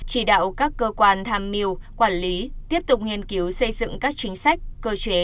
chỉ đạo các cơ quan tham mưu quản lý tiếp tục nghiên cứu xây dựng các chính sách cơ chế